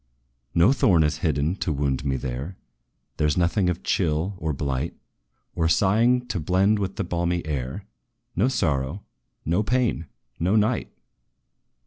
"No thorn is hidden to wound me there; There 's nothing of chill, or blight, Or sighing to blend with the balmy air No sorrow no pain no night!"